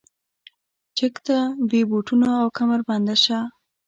چک ته بې بوټونو او کمربنده شه.